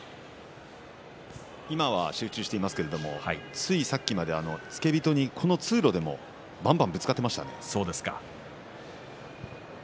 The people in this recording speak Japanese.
今は集中していますがついさっきまで付け人にこの通路でもばんばんとぶつかっていました。